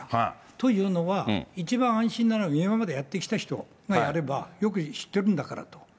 というのは、一番安心なのは、今までやってきた人がやればよく知ってるんだからと。